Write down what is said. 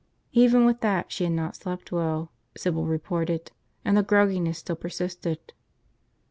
Even with that, she had not slept well, Sybil reported, and the grogginess still persisted.